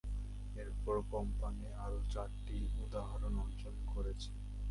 এরপর কোম্পানিটি আরও চারটি উদাহরণ অর্জন করেছে।